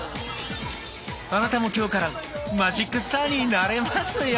あなたも今日からマジックスターになれますよ！